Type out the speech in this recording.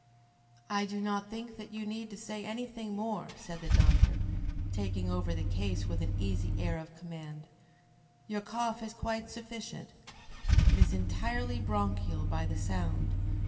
"I do not think that you need say anything more," said the doctor, taking over the case with an easy air of command. "Your cough is quite sufficient. It is entirely bronchial by the sound.